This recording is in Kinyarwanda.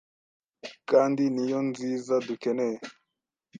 kandi niyo nziza dukeneye